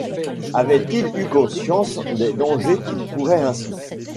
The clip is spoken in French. Avait-il eu conscience des dangers qu’il courait ainsi.